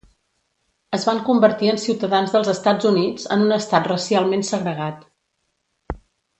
Es van convertir en ciutadans dels Estats Units en un estat racialment segregat.